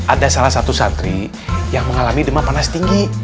ada salah satu santri yang mengalami demam panas tinggi